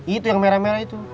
itu yang merah merah itu